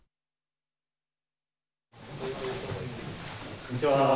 こんにちは。